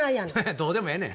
どうでもええねん。